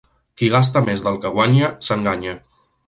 Qui gasta més del que guanya, s'enganya.